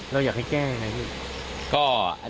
เราอยากให้แก้ยังไงพี่